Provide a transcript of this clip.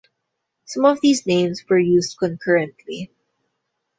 Some of these names were used concurrently.